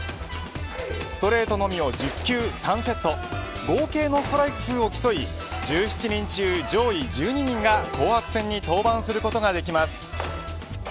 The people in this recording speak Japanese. ストレートのみを１０球３セット合計のストライク数を競い１７人中上位１２人が紅白戦に登板することができます。